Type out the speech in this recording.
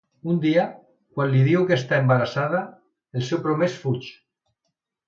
Un dia, quan li diu que està embarassada, el seu promès fuig.